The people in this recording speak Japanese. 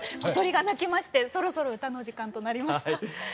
小鳥が鳴きましてそろそろ歌の時間となりました。